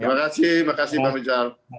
terima kasih terima kasih bang rizal